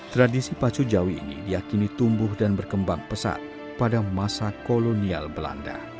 tradisi pacu jawi ini diakini tumbuh dan berkembang pesat pada masa kolonial belanda